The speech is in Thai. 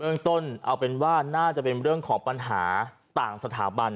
เรื่องต้นเอาเป็นว่าน่าจะเป็นเรื่องของปัญหาต่างสถาบัน